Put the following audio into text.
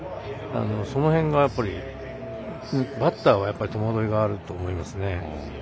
その辺が、バッターは戸惑いはあると思いますね。